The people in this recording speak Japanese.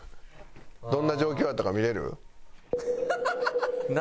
どんな状況やったか見れる？